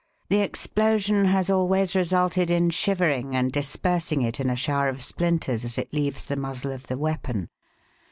The explosion has always resulted in shivering and dispersing it in a shower of splinters as it leaves the muzzle of the weapon.